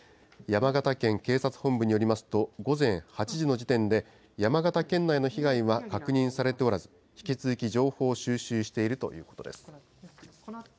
山形県警察本部によりますと、午前８時の時点で、山形県内の被害は確認されておらず、引き続き情報を収集しているということです。